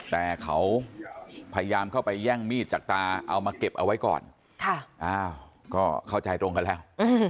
แต่เขาพยายามเข้าไปแย่งมีดจากตาเอามาเก็บเอาไว้ก่อนก็เข้าใจตรงกันแล้ว